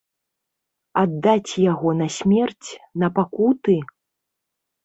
Аддаць яго на смерць, на пакуты?